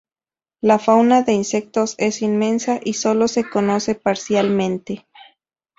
La fauna de insectos es inmensa y sólo se conoce parcialmente.